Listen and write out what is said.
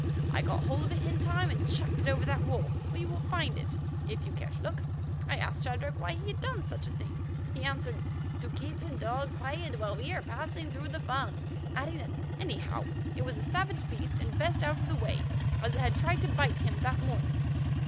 I got hold of it in time, and chucked it over that wall, where you will find it if you care to look. I asked Shadrach why he had done such a thing. He answered, 'To keep the dog quiet while we are passing through the Fung,' adding that anyhow it was a savage beast and best out of the way, as it had tried to bite him that morning.